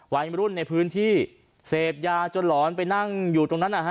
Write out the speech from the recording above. วัยรุ่นในพื้นที่เสพยาจนหลอนไปนั่งอยู่ตรงนั้นนะฮะ